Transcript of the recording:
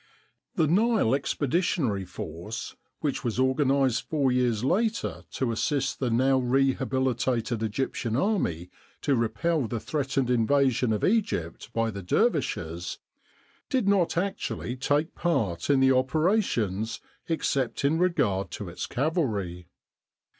The Nile Expeditionary Force which was organ ised four years later to assist the now rehabilitated Egyptian Army to repel the threatened invasion of Egypt by the dervishes did not actually take part 8 Retrospect in the operations except in regard to its cavalry.